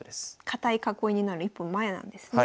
堅い囲いになる一歩前なんですね。